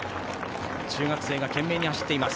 中学生が懸命に走っています。